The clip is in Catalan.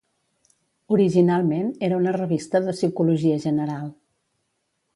Originalment, era una revista de psicologia general.